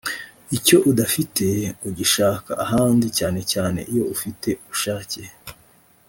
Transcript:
Icyo udafite ugishaka ahandi cyane cyane iyo ufite ubushake